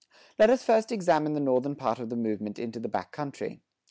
Let us first examine the northern part of the movement into the back country.